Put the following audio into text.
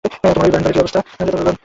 তোমার ঔই ব্যান্ড দলের কী অবস্থা?